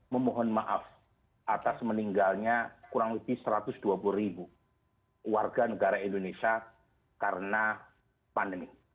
memohon maaf atas meninggalnya kurang lebih satu ratus dua puluh ribu warga negara indonesia karena pandemi